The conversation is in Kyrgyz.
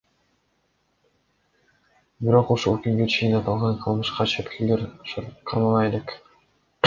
Бирок ушул күнгө чейин аталган кылмышка шектүүлөр кармала элек.